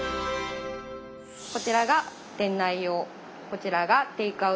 こちらが店内用こちらがテイクアウト用。